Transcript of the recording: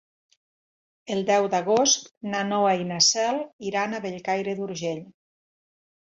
El deu d'agost na Noa i na Cel iran a Bellcaire d'Urgell.